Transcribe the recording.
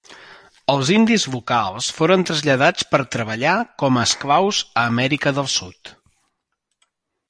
Els indis locals foren traslladats per treballar com a esclaus a Amèrica del Sud.